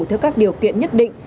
theo các điều kiện nhất định